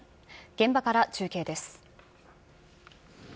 現場から中継です。